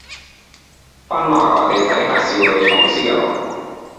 翻來我哋睇下少女藏屍嘅內幕